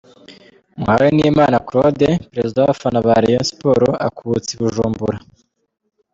Muhawenimana Claude perezida w'abafana ba Rayon Sports akubutse i Bujumbura.